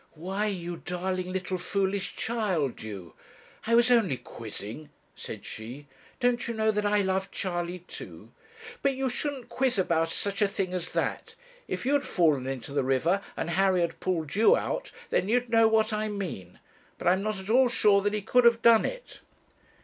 'Why, you darling little foolish child, you! I was only quizzing,' said she. 'Don't you know that I love Charley too?' 'But you shouldn't quiz about such a thing as that. If you'd fallen into the river, and Harry had pulled you out, then you'd know what I mean; but I'm not at all sure that he could have done it.'